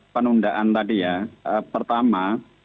penundaan tadi ya pertama